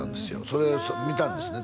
それを見たんですね